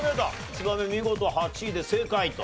ツバメ見事８位で正解と。